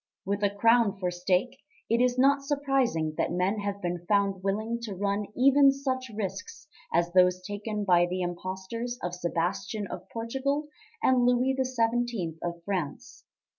With a crown for stake, it is not surprising that men have been found willing to run even such risks as those taken by the impostors of Sebastian of Portugal and Louis XVII of France.